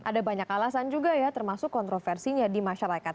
ada banyak alasan juga ya termasuk kontroversinya di masyarakat